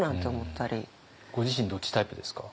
ご自身どっちタイプですか？